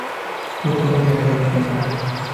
প্রথম দেখায় প্রেম।